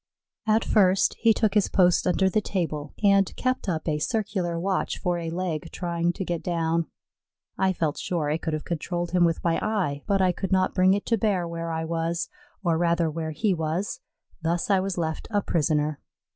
At first he took his post under the table and kept up a circular watch for a leg trying to get down. I felt sure I could have controlled him with my eye, but I could not bring it to bear where I was, or rather where he was; thus I was left a prisoner.